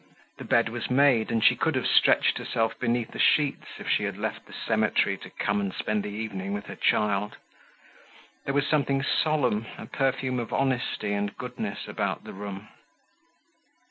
The bed was made, and she could have stretched herself beneath the sheets if she had left the cemetery to come and spend the evening with her child. There was something solemn, a perfume of honesty and goodness about the room.